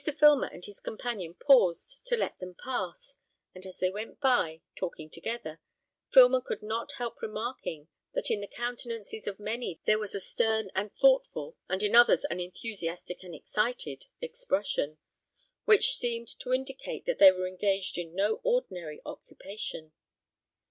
Filmer and his companion paused to let them pass; and as they went by, talking together, Filmer could not help remarking, that in the countenances of many there was a stern and thoughtful, and in others an enthusiastic and excited expression, which seemed to indicate that they were engaged in no ordinary occupation.